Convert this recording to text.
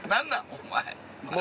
お前。